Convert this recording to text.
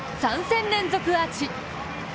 ３戦連続アーチ。